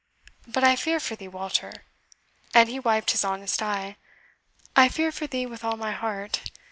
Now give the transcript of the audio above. But I fear for thee, Walter" (and he wiped his honest eye), "I fear for thee with all my heart.